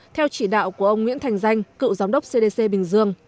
theo chỉ đạo của ông nguyễn thành danh cựu giám đốc cdc bình dương